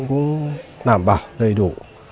cũng đảm bảo đầy đủ